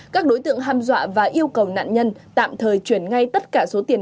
các đối tượng ham dọa và yêu cầu nạn nhân tạm thời chuyển ngay tất cả số tiền